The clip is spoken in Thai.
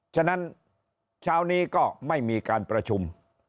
ฉะนั้นเช้านี้ก็ไม่มีการประชุม